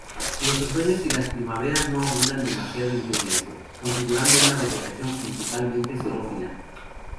Los otoños y primaveras no abundan demasiado en lluvias, configurando una vegetación principalmente xerófila.